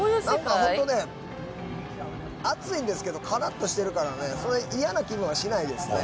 何かホントね暑いんですけどカラっとしてるからね嫌な気分はしないですね。